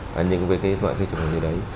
và những cái loại khuyến trọng như đấy